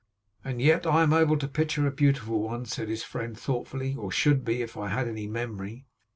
'And yet I am able to picture a beautiful one,' said his friend, thoughtfully, 'or should be, if I have any memory.